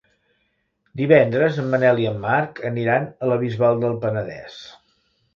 Divendres en Manel i en Marc aniran a la Bisbal del Penedès.